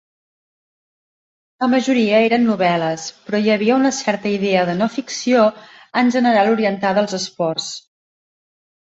La majoria eren novel·les, però hi havia una certa idea de no-ficció en general orientada als esports.